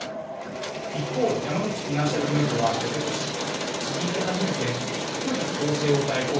一方山口フィナンシャルグループはおととし地銀で初めて福利厚生を代行する会社を設立。